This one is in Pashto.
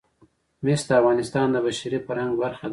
مس د افغانستان د بشري فرهنګ برخه ده.